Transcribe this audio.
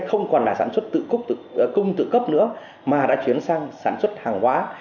không còn là sản xuất cung tự cấp nữa mà đã chuyển sang sản xuất hàng hóa